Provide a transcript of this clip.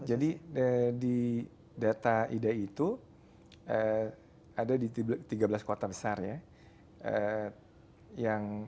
jadi di data ida itu ada di tiga belas kota besar ya